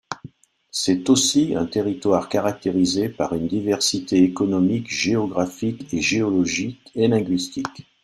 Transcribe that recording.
C’est aussi un territoire caractérisé par une diversité économique, géographique, géologique et linguistique.